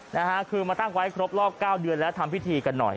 นะฮะคือมาตั้งไว้ครบรอบเก้าเดือนแล้วทำพิธีกันหน่อย